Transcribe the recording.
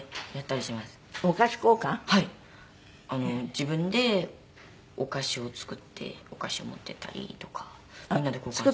自分でお菓子を作ってお菓子を持って行ったりとかみんなで交換。